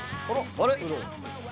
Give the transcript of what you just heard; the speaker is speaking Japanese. あれ？